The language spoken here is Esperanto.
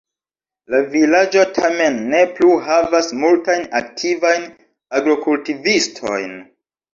La vilaĝo tamen ne plu havas multajn aktivajn agrokultivistojn.